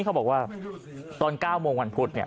เขาบอกว่าตอน๙โมงวันพุธเนี่ย